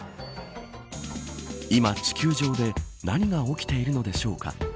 今、地球上で何が起きているのでしょうか。